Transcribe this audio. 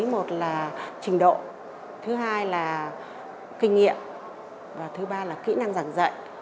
một là trình độ thứ hai là kinh nghiệm và thứ ba là kỹ năng giảng dạy